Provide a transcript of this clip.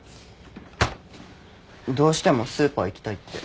どうしてもスーパー行きたいって。